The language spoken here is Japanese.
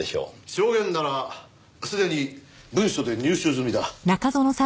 証言ならすでに文書で入手済みだ。